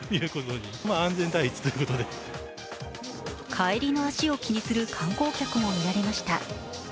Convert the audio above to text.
帰りの足を気にする観光客も見られました。